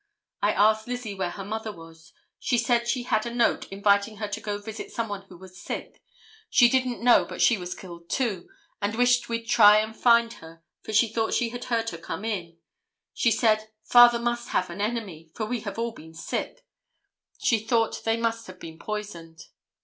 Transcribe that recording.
I asked Lizzie where her mother was. She said she had a note, inviting her to go visit some one who was sick. She didn't know but she was killed, too, and wished we'd try and find her, for she thought she had heard her come in. She said, 'Father must have an enemy, for we have all been sick.' She thought they must have been poisoned.